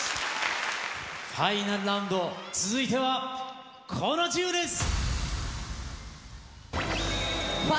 ファイナルラウンド続いてはこのチームです！